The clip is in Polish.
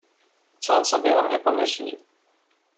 Co on sobie o mnie pomyśli!